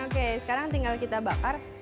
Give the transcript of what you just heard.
oke sekarang tinggal kita bakar